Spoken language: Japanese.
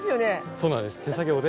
そうなんです手作業で。